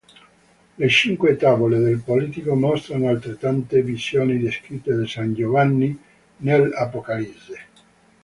Le cinque tavole del polittico mostrano altrettante visioni descritte da san Giovanni nell"'Apocalisse".